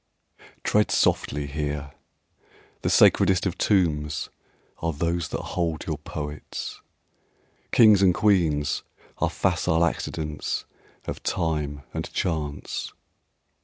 TREAD softly here; the sacredest of tombs Are those that hold your Poets. Kings and queens Are facile accidents of Time and Chance.